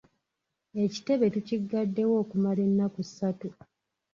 Ekitebe tukiggaddewo okumala ennaku ssatu.